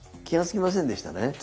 気が付きませんでしたね？